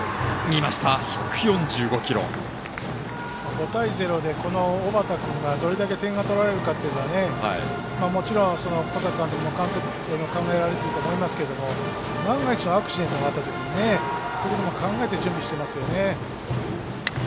５対０で小畠君が点が取られるかというのはもちろん、小坂監督も考えられてると思いますけど万が一のアクシデントがあったときにということも考えて準備してますよね。